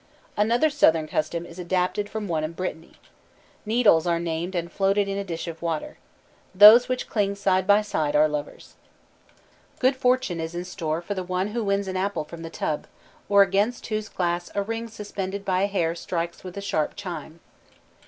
Another Southern custom is adapted from one of Brittany. Needles are named and floated in a dish of water. Those which cling side by side are lovers. Good fortune is in store for the one who wins an apple from the tub, or against whose glass a ring suspended by a hair strikes with a sharp chime.